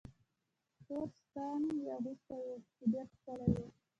تور ساټن یې اغوستی و، چې ډېر ښکلی و.